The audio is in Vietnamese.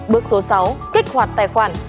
bước số sáu kích hoạt tài khoản